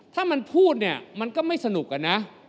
ถ้ามันพูดเนี่ยมันก็ไม่สนุกอะนะ